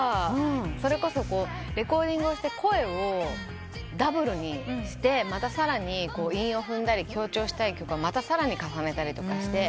それこそレコーディングをして声をダブルにしてまたさらに韻を踏んだり強調したりまたさらに重ねたりして。